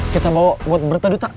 kita bawa buat bertaduta